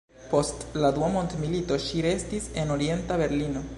Post la Dua mondmilito ŝi restis en Orienta Berlino.